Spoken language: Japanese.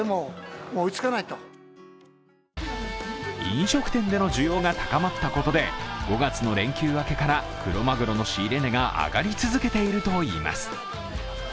飲食店での需要が高まったことで、５月の連休明けからクロマグロの仕入れ値が上がり続けているといいます。